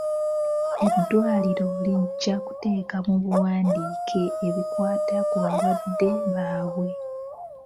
Eddwaliro lijja kuteeka mu buwandiike ebikwata ku balwadde babwe.